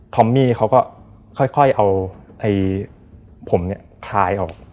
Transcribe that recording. อมมี่เขาก็ค่อยเอาผมเนี่ยคล้ายออก